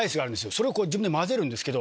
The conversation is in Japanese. それを自分で混ぜるんですけど。